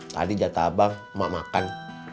tadi jatah abang emak makan